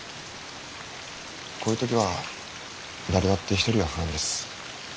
こういう時は誰だって一人は不安です。